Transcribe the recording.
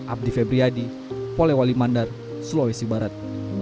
abdi febriyadi polewali mandar sulawesi barat